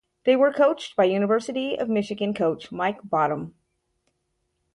They were coached by University of Michigan coach Mike Bottom.